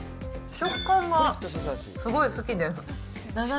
食感がすごい好きです。